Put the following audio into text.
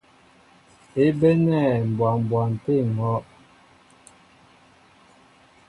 É bénɛ̂ mbwa mbwa tê ehɔ́’.